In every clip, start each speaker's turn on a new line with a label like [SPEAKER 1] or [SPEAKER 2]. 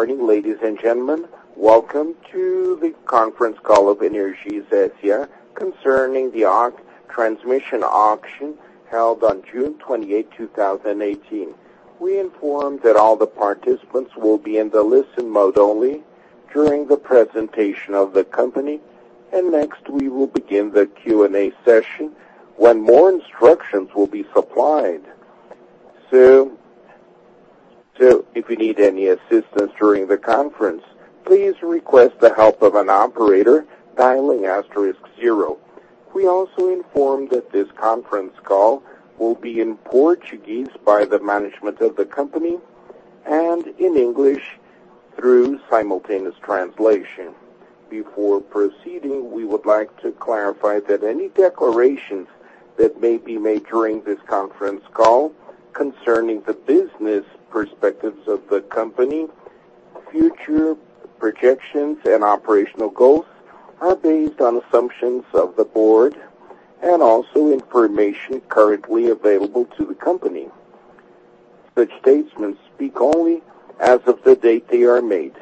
[SPEAKER 1] Good morning, ladies and gentlemen. Welcome to the conference call of Energisa concerning the transmission auction held on June 28, 2018. We inform that all the participants will be in the listen mode only during the presentation of the company, and next we will begin the Q&A session when more instructions will be supplied. If you need any assistance during the conference, please request the help of an operator dialing asterisk zero. We also inform that this conference call will be in Portuguese by the management of the company and in English through simultaneous translation. Before proceeding, we would like to clarify that any declarations that may be made during this conference call concerning the business perspectives of the company, future projections, and operational goals are based on assumptions of the board and also information currently available to the company. Such statements speak only as of the date they are made.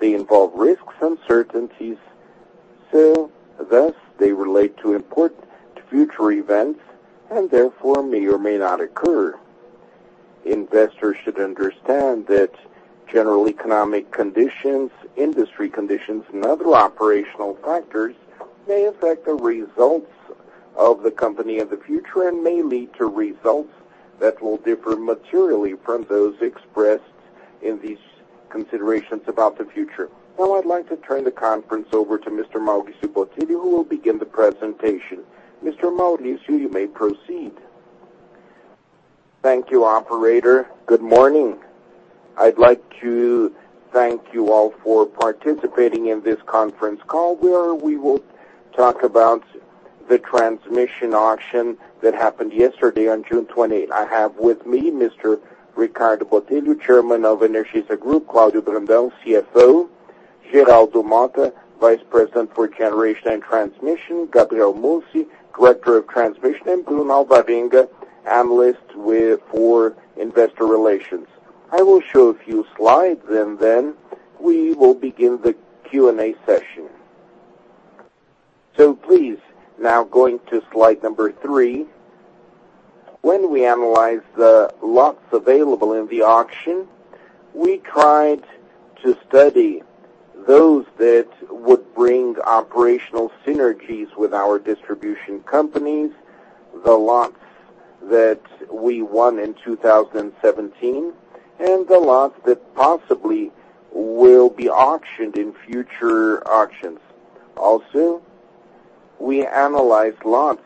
[SPEAKER 1] They involve risks, uncertainties, thus they relate to future events, therefore may or may not occur. Investors should understand that general economic conditions, industry conditions, and other operational factors may affect the results Of the company of the future and may lead to results that will differ materially from those expressed in these considerations about the future. I'd like to turn the conference over to Mr. Maurício Botelho, who will begin the presentation. Mr. Maurício, you may proceed.
[SPEAKER 2] Thank you, operator. Good morning. I'd like to thank you all for participating in this conference call where we will talk about the transmission auction that happened yesterday on June 28th. I have with me Ricardo Botelho, Chairman of Energisa Group, Cláudio Brandão, CFO, Geraldo Mota, Vice President for Generation and Transmission, Gabriel Mussi, Director of Transmission, and [Bruna Alvarenga], Analyst for investor relations. I will show a few slides, and then we will begin the Q&A session. Please, now going to slide number three. When we analyzed the lots available in the auction, we tried to study those that would bring operational synergies with our distribution companies, the lots that we won in 2017, and the lots that possibly will be auctioned in future auctions. Also, we analyzed lots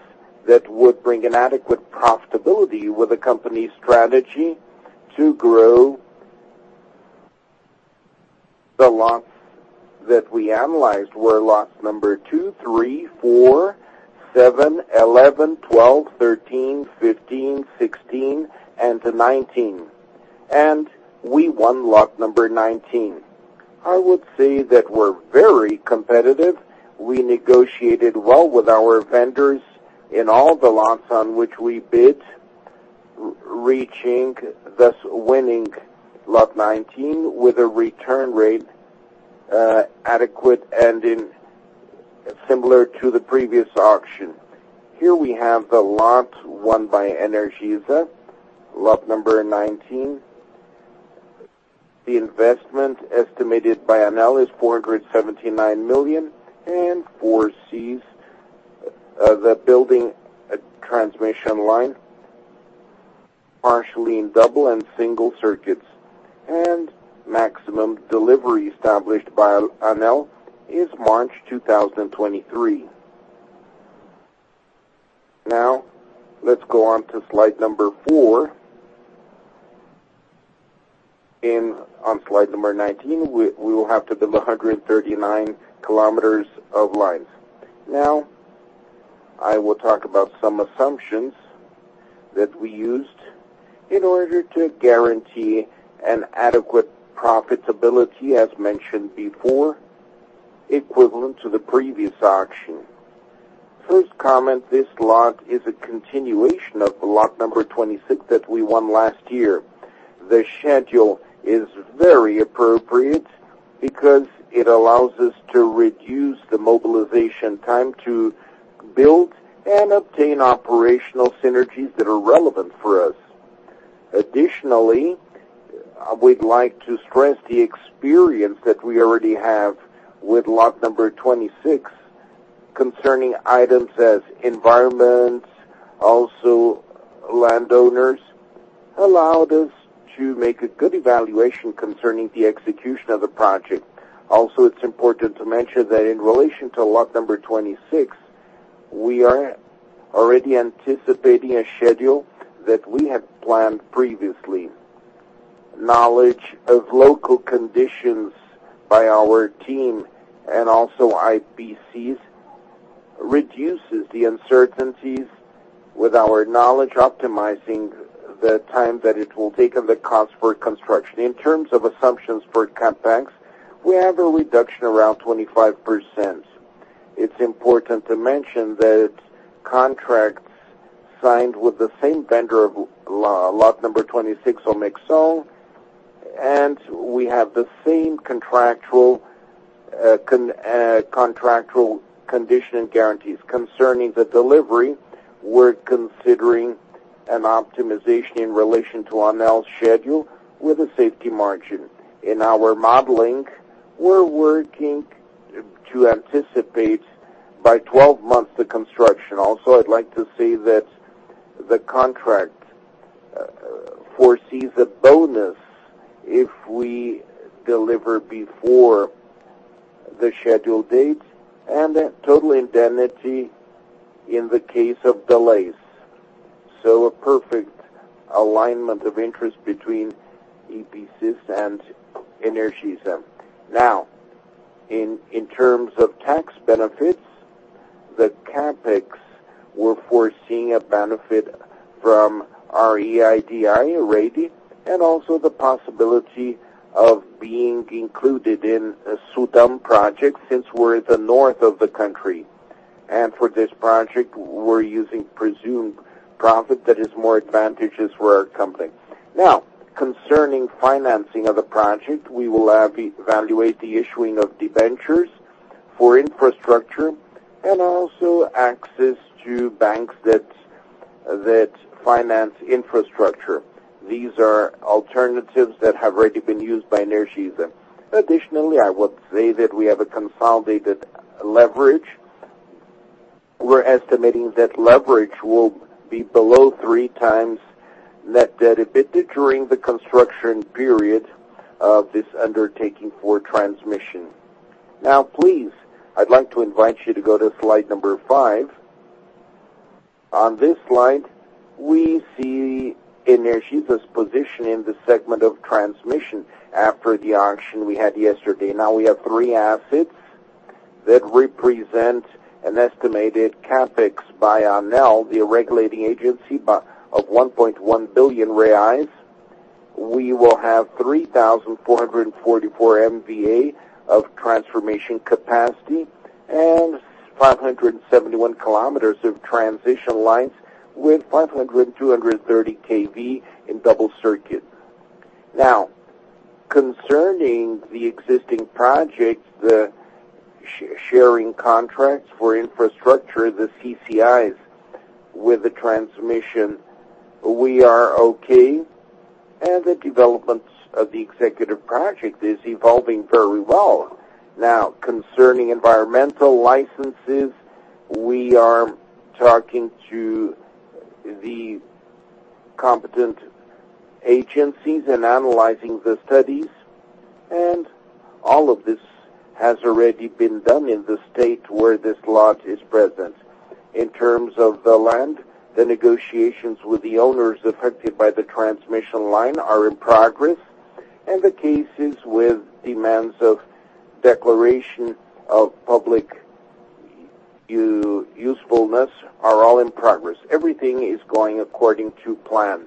[SPEAKER 2] that would bring an adequate profitability with the company's strategy to grow. The lots that we analyzed were lots number 2, 3, 4, 7, 11, 12, 13, 15, 16, and 19, and we won lot number 19. I would say that we are very competitive. We negotiated well with our vendors in all the lots on which we bid, reaching, thus winning lot 19 with a return rate adequate and similar to the previous auction. Here we have the lot won by Energisa, lot number 19. The investment estimated by ANEEL is 479 million and foresees the building a transmission line partially in double and single circuits, and maximum delivery established by ANEEL is March 2023. Now let's go on to slide number four. On slide number 19, we will have to build 139 km of lines. Now I will talk about some assumptions that we used in order to guarantee an adequate profitability, as mentioned before, equivalent to the previous auction. First comment, this lot is a continuation of the lot number 26 that we won last year. The schedule is very appropriate because it allows us to reduce the mobilization time to build and obtain operational synergies that are relevant for us. Additionally, we would like to stress the experience that we already have with lot number 26 concerning items as environments, also landowners, allowed us to make a good evaluation concerning the execution of the project. Also, it is important to mention that in relation to lot number 26, we are already anticipating a schedule that we had planned previously. Knowledge of local conditions by our team and also EPCs reduces the uncertainties with our knowledge, optimizing the time that it will take and the cost for construction. In terms of assumptions for CapEx, we have a reduction around 25%. It is important to mention that contracts signed with the same vendor of lot number 26 will make so, and we have the same contractual condition and guarantees. Concerning the delivery, we are considering an optimization in relation to ANEEL's schedule with a safety margin. In our modeling, we are working to anticipate by 12 months the construction. Also, I would like to say that the contract foresees a bonus if we deliver before the scheduled dates and a total indemnity in the case of delays. So a perfect alignment of interest between EPCs and Energisa. Now, in terms of tax benefits, the CapEx, we are foreseeing a benefit from REIDI, REIDI, and also the possibility of being included in a SUDAM project since we are at the north of the country. For this project, we are using presumed profit that is more advantageous for our company. Now, concerning financing of the project, we will evaluate the issuing of debentures for infrastructure and also access to banks that finance infrastructure. These are alternatives that have already been used by Energisa. Additionally, I would say that we have a consolidated leverage. We're estimating that leverage will be below 3 times net debt EBITDA during the construction period of this undertaking for transmission. Please, I'd like to invite you to go to slide number five. On this slide, we see Energisa's position in the segment of transmission after the auction we had yesterday. We have 3 assets that represent an estimated CapEx by ANEEL, the regulating agency, of 1.1 billion reais. We will have 3,444 MVA of transformation capacity and 571 kilometers of transition lines with 500 and 230 kV in double circuit. Concerning the existing projects, the sharing contracts for infrastructure, the CCIs, with the transmission, we are okay, and the developments of the executive project is evolving very well. Concerning environmental licenses, we are talking to the competent agencies and analyzing the studies, and all of this has already been done in the state where this lot is present. In terms of the land, the negotiations with the owners affected by the transmission line are in progress, and the cases with demands of declaration of public usefulness are all in progress. Everything is going according to plan.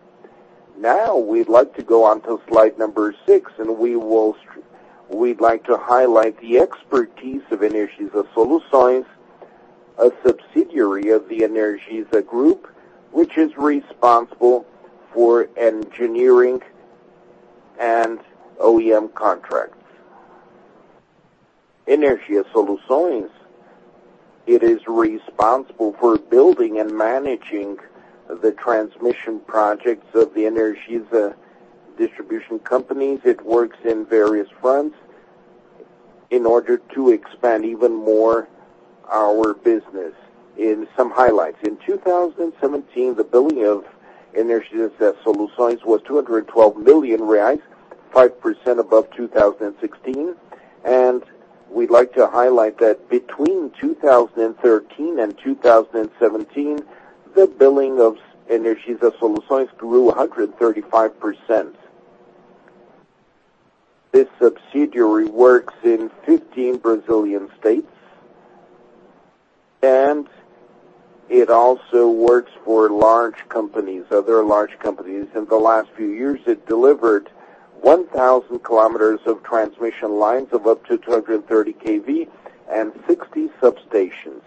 [SPEAKER 2] We'd like to go on to slide number six, and we'd like to highlight the expertise of Energisa Soluções, a subsidiary of the Energisa Group, which is responsible for engineering and O&M contracts. Energisa Soluções, it is responsible for building and managing the transmission projects of the Energisa distribution companies. It works in various fronts in order to expand even more our business. In some highlights, in 2017, the billing of Energisa Soluções was 212 million reais, 5% above 2016. We'd like to highlight that between 2013 and 2017, the billing of Energisa Soluções grew 135%. This subsidiary works in 15 Brazilian states, and it also works for other large companies. In the last few years, it delivered 1,000 kilometers of transmission lines of up to 230 kV and 60 substations.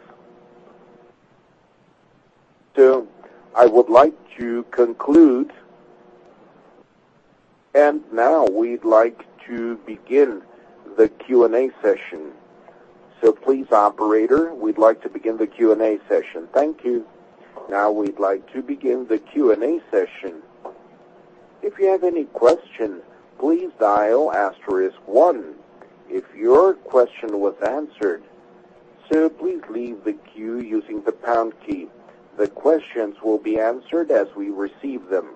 [SPEAKER 2] I would like to conclude. We'd like to begin the Q&A session. Please, operator, we'd like to begin the Q&A session.
[SPEAKER 1] Thank you. We'd like to begin the Q&A session. If you have any questions, please dial *1. If your question was answered, sir, please leave the queue using the pound key. The questions will be answered as we receive them.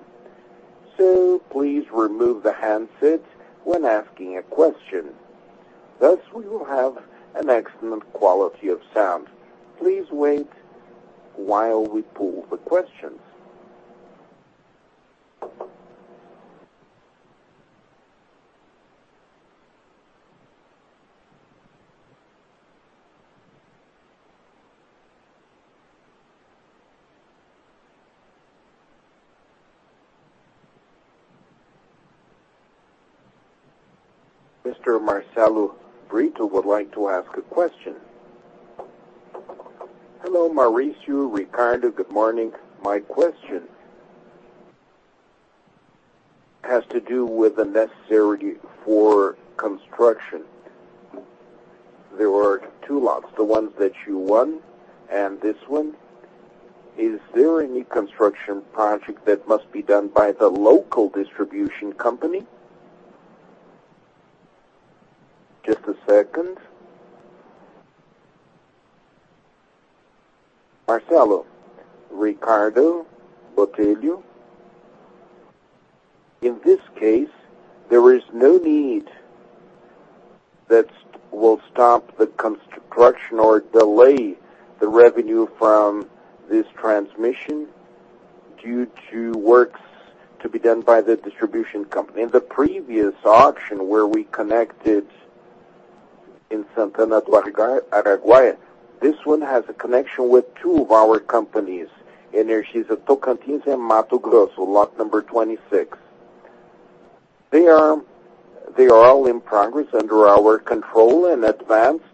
[SPEAKER 1] Please remove the handsets when asking a question. Thus, we will have an excellent quality of sound. Please wait while we pull the questions. Mr. Marcelo Brito would like to ask a question.
[SPEAKER 3] Hello, Maurício, Ricardo. Good morning. My question has to do with the necessary for construction. There were 2 lots, the ones that you won and this one. Is there any construction project that must be done by the local distribution company?
[SPEAKER 4] Just a second. Marcelo. Ricardo Botelho. In this case, there is no need that will stop the construction or delay the revenue from this transmission due to works to be done by the distribution company. In the previous auction where we connected in Santana do Araguaia, this one has a connection with 2 of our companies, Energisa Tocantins and Mato Grosso, lot number 26. They are all in progress under our control and advanced.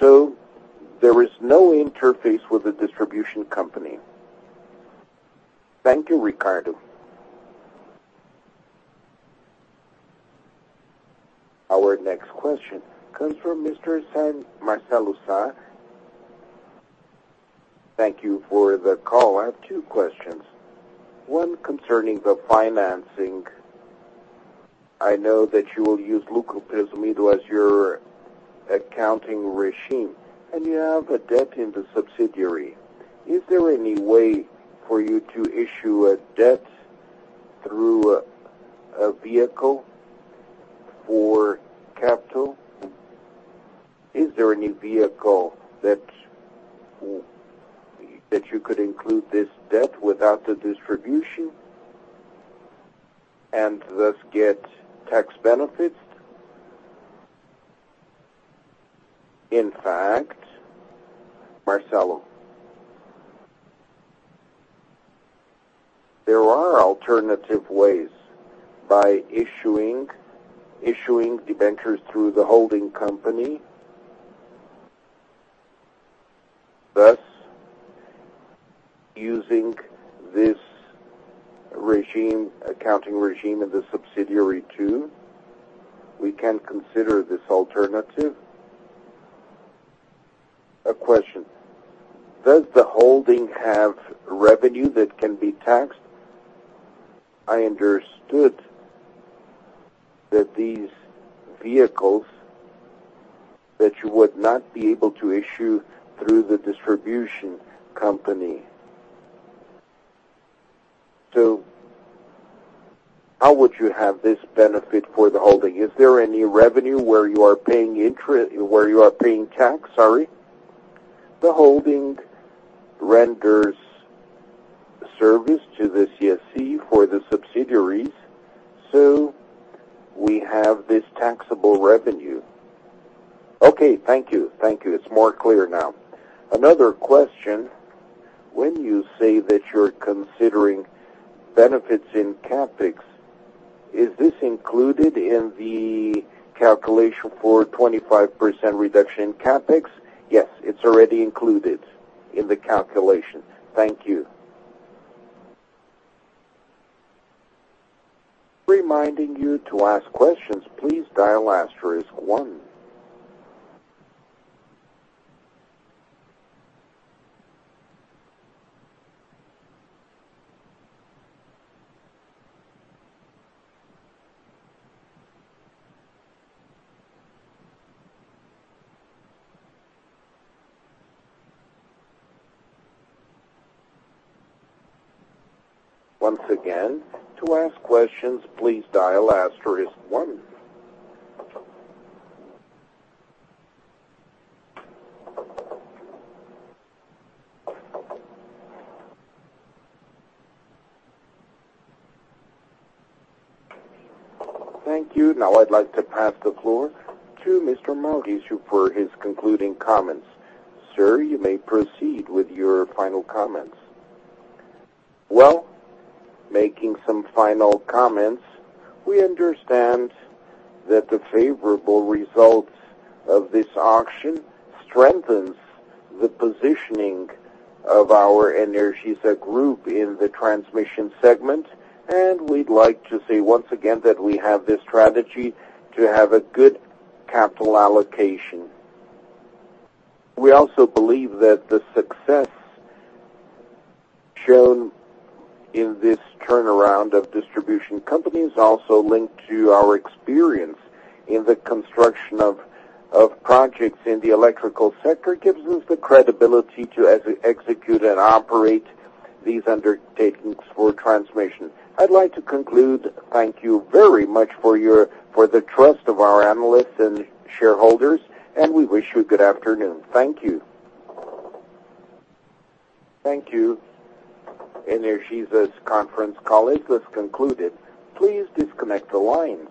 [SPEAKER 4] There is no interface with the distribution company.
[SPEAKER 3] Thank you, Ricardo.
[SPEAKER 1] Our next question comes from Mr. [Marcelo Saad].
[SPEAKER 5] Thank you for the call. I have two questions. One concerning the financing. I know that you will use Lucro Presumido as your accounting regime, and you have a debt in the subsidiary. Is there any way for you to issue a debt through a vehicle for capital? Is there any vehicle that you could include this debt without the distribution, and thus get tax benefits?
[SPEAKER 2] In fact, Marcelo, there are alternative ways. By issuing debentures through the holding company, thus using this accounting regime in the subsidiary too, we can consider this alternative.
[SPEAKER 5] A question. Does the holding have revenue that can be taxed? I understood that these vehicles that you would not be able to issue through the distribution company. How would you have this benefit for the holding? Is there any revenue where you are paying tax? Sorry.
[SPEAKER 2] The holding renders service to the CSE for the subsidiaries, we have this taxable revenue.
[SPEAKER 5] Okay. Thank you. It's more clear now. Another question. When you say that you're considering benefits in CapEx, is this included in the calculation for 25% reduction in CapEx?
[SPEAKER 1] Yes, it's already included in the calculation.
[SPEAKER 5] Thank you.
[SPEAKER 1] Reminding you, to ask questions, please dial asterisk one. Once again, to ask questions, please dial asterisk one. Thank you. Now I'd like to pass the floor to Mr. Maurício for his concluding comments. Sir, you may proceed with your final comments.
[SPEAKER 2] Making some final comments, we understand that the favorable results of this auction strengthens the positioning of our Energisa Group in the transmission segment, and we'd like to say, once again, that we have this strategy to have a good capital allocation. We also believe that the success shown in this turnaround of distribution companies also linked to our experience in the construction of projects in the electrical sector, gives us the credibility to execute and operate these undertakings for transmission. I'd like to conclude. Thank you very much for the trust of our analysts and shareholders, we wish you a good afternoon. Thank you.
[SPEAKER 1] Thank you. Energisa's conference call is thus concluded. Please disconnect the lines.